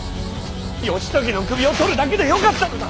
義時の首を取るだけでよかったのだ！